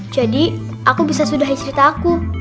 jadi aku bisa sudahi cerita aku